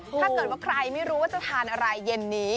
ถ้าเกิดว่าใครไม่รู้ว่าจะทานอะไรเย็นนี้